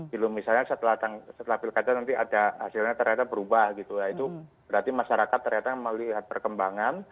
kalau misalnya setelah pilkada nanti ada hasilnya ternyata berubah gitu ya itu berarti masyarakat ternyata melihat perkembangan